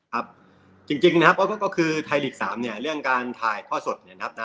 ครับจริงนะครับก็คือไทยลีก๓เนี่ยเรื่องการถ่ายทอดสดเนี่ยนะครับ